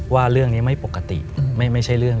ว่าเรื่องนี้ไม่ปกติไม่ใช่เรื่อง